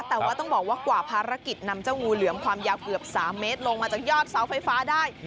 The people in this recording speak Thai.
แต่ว่าต้องบอกว่ากว่าภารกิจนำเจ้างูเหลือมความยาวเกือบ๓เมตรลงมาจากยอดเสาไฟฟ้าได้